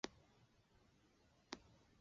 分布于全北界。